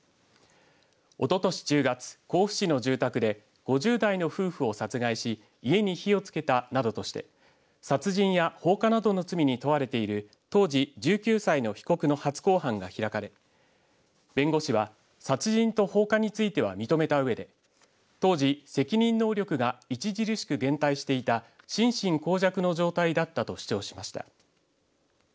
おととし１０月甲府市の住宅で５０代の夫婦を殺害し家に火を付けたなどとして殺人や放火などの罪に問われている当時１９歳の被告の初公判が開かれ弁護士は殺人と放火については認めたうえで当時、責任能力が著しく減退していた心神耗弱の状態だったと主張しました。